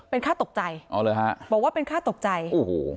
เป็นค่าตกใจอ๋อเหรอฮะบอกว่าเป็นค่าตกใจโอ้โห